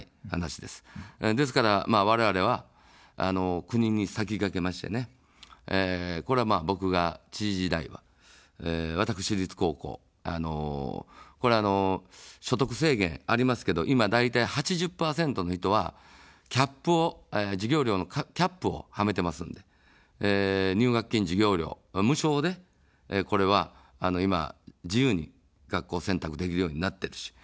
ですから、われわれは国に先駆けましてね、これは僕が知事時代は、私立高校、これは所得制限ありますけど、今大体８０％の人は、授業料のキャップをはめてますので、入学金、授業料無償でこれは今、自由に学校選択できるようになってるし。